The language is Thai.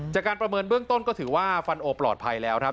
ประเมินเบื้องต้นก็ถือว่าฟันโอปลอดภัยแล้วครับ